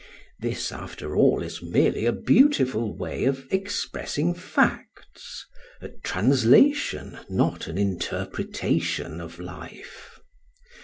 This, after all, is merely a beautiful way of expressing facts; a translation, not an interpretation, of life.